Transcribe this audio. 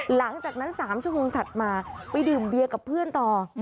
หลังจากนั้น๓ชั่วโมงถัดมาไปดื่มเบียร์กับเพื่อนต่อ